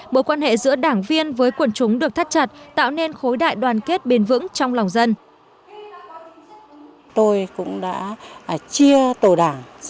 mối quan hệ giữa đảng viên với quần chúng được thắt chặt tạo nên khối đại đoàn kết bền vững trong lòng dân